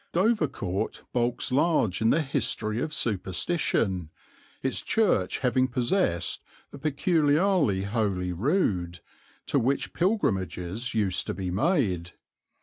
Dovercourt bulks large in the history of superstition, its church having possessed a peculiarly holy rood, to which pilgrimages used to be made.